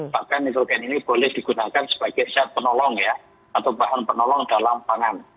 bahkan nitrogen ini boleh digunakan sebagai zat penolong ya atau bahan penolong dalam pangan